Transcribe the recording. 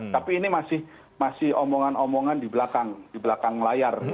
tapi ini masih omongan omongan di belakang layar